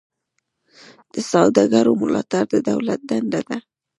د سوداګرو ملاتړ د دولت دنده ده